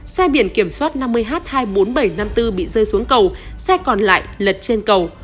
xe biển kiểm soát năm mươi h hai mươi bốn nghìn bảy trăm năm mươi bốn bị rơi xuống cầu xe còn lại lật trên cầu